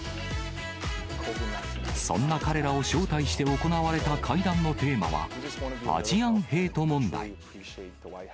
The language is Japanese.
そんな彼らを招待して行われた会談のテーマは、アジアン・ヘイト問題。